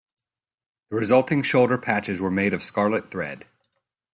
The resulting shoulder patches were made of scarlet thread.